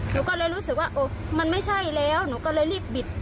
หนูก็เลยรู้สึกว่ามันไม่ใช่แล้วหนูก็เลยรีบบิด